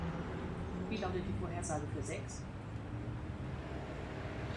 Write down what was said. Wie lautet die Vorhersage für VI